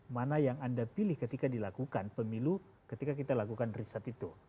mana yang anda pilih ketika dilakukan pemilu ketika kita lakukan riset itu